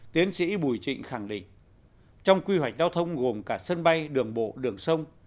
tiến sĩ bùi trịnh khẳng định trong quy hoạch giao thông gồm cả sân bay đường bộ đường sông